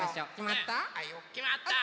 きまった！